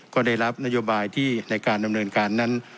ก็ได้รับนโยบายที่ในการดำเนินการนั้น